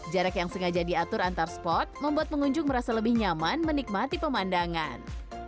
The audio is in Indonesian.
jarak yang sengaja diatur antar spot membuat pengunjung merasa lebih nyaman menikmati pemandangan